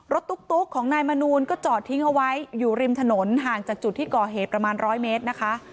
ตุ๊กของนายมนูลก็จอดทิ้งเอาไว้อยู่ริมถนนห่างจากจุดที่ก่อเหตุประมาณ๑๐๐เมตรนะคะ